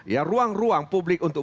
ya ruang ruang publik untuk